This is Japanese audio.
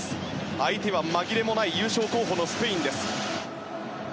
相手は紛れもない優勝候補のスペインです。